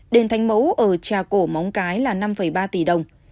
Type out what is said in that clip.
đền thánh mẫu ở trà cổ móng cái là năm ba tỷ đồng